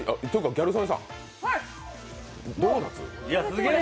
ギャル曽根さんドーナツ？